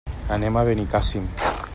Anem a Benicàssim.